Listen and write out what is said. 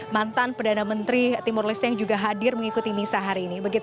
mantan perdana menteri timur leste yang juga hadir mengikuti misa hari ini